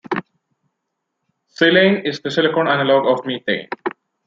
Silane is the silicon analogue of methane.